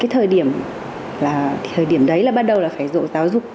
thời điểm đấy là bắt đầu phải dụ giáo dục